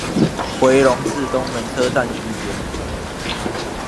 迴龍至東門車站區間